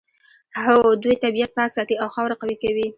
هو دوی طبیعت پاک ساتي او خاوره قوي کوي